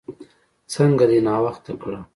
څنګه دې ناوخته کړه؟